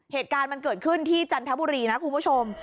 เหตุการณ์มันเกิดขึ้นที่จันทบุรีนะคุณผู้ชม